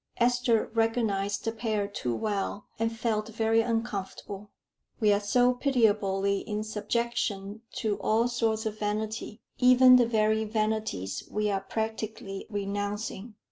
Esther recognized the pair too well, and felt very uncomfortable. We are so pitiably in subjection to all sorts of vanity even the very vanities we are practically renouncing!